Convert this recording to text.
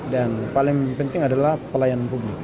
dan paling penting adalah pelayanan publik